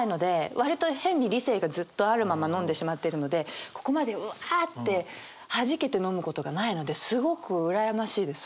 割と変に理性がずっとあるまま飲んでしまってるのでここまでうわってはじけて飲むことがないのですごく羨ましいです。